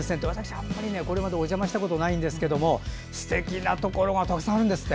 あんまりこれまでお邪魔したことがないんですけどもすてきなところがたくさんあるんですって？